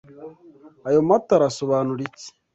Ayo matara asobanura iki?